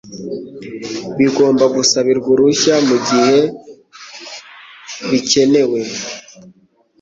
bigomba gusabirwa uruhushya mu gihe bikenewe